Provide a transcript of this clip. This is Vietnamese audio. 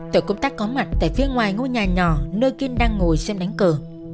tổ công tác có mặt tại phía ngoài ngôi nhà nhỏ nơi kiên đang ngồi xem đánh cờ